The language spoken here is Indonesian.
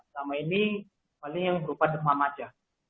selama ini paling yang berupa demam aja